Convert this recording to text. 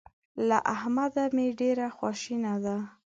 له احمده مې ډېره خواشنه ده.